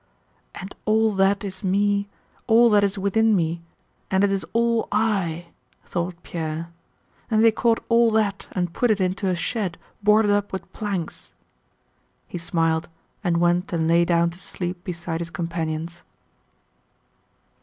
"And all that is me, all that is within me, and it is all I!" thought Pierre. "And they caught all that and put it into a shed boarded up with planks!" He smiled, and went and lay down to sleep beside his companions.